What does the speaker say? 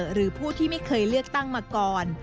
หรือผู้ที่ไม่เคยเลือกตั้งมาก่อน